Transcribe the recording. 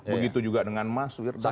begitu juga dengan mas wirdas